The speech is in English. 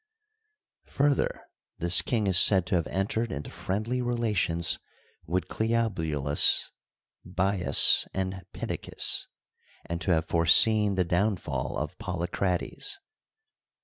Further, this king is said to hav.e entered into friendly relations with Cleobulus, Bias, and Pittacus, and to have foreseen the downfall of Polycrates.